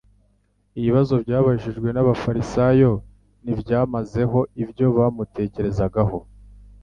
Ibibazo byabajijwe n'abafarisayo ntibyamazeho ibyo bamutekerezagaho